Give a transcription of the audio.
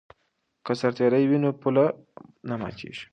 که سرتیری وي نو پوله نه ماتیږي.